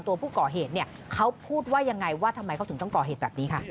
ตัวผู้ก่อเหตุเนี่ยเขาพูดว่ายังไงว่าทำไมเขาถึงต้องก่อเหตุแบบนี้ค่ะ